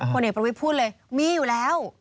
ผลเอกประวิทย์พูดเลยมีอยู่แล้ว